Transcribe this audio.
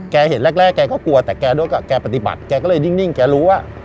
แกเห็นแรกแรกแกก็กลัวแต่แกด้วยก็แกปฏิบัติแกก็เลยดิ้งดิ้งแกรู้ว่า